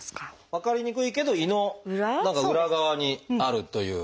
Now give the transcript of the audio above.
分かりにくいけど胃の裏側にあるという。